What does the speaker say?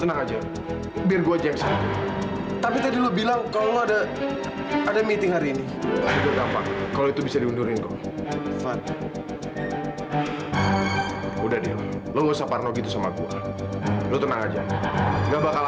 nanti aja nyarinya yang penting kita masuk dulu yuk